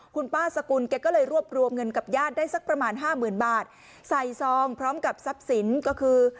คุณป้าสกุลแกก็เลยรวบรวมเงินกับญาติได้สักประมาณห้าหมื่นบาทใส่ซองพร้อมกับทรัพย์สินก็คือ